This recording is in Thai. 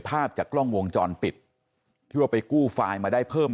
ภาพจากกล้องวงจรปิดที่ว่าไปกู้ไฟล์มาได้เพิ่ม